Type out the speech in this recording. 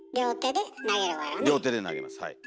両手で投げますはい。